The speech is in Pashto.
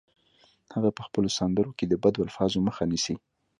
هغه په خپلو سندرو کې د بدو الفاظو مخه نیسي